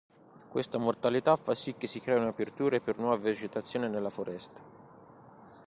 Questa mortalità fa sì che si creino aperture per nuova vegetazione nella foresta.